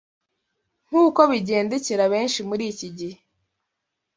Nk’uko bigendekera benshi mur’iki gihe